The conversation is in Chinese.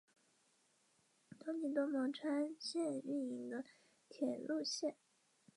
东急多摩川线营运的铁路线。